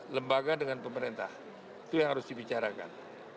lembaga dengan pemerintah itu yang harus dibicarakan